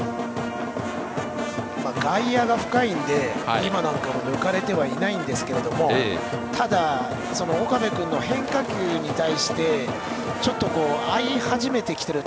外野が深いので今のなんかも抜かれてはいないんですけどただ、岡部君の変化球に対してちょっと合い始めてきている。